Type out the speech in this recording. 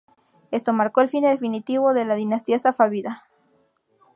Esto marcó el fin definitivo de la dinastía safávida.